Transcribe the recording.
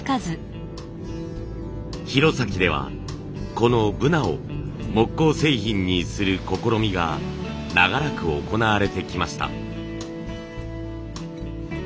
弘前ではこのブナを木工製品にする試みが長らく行われてきました。